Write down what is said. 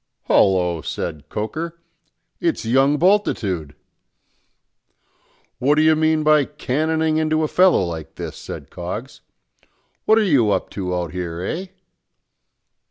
"Hallo!" said Coker, "it's young Bultitude!" "What do you mean by cannoning into a fellow like this?" said Coggs. "What are you up to out here, eh?"